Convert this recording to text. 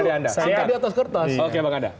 sangka di atas kertas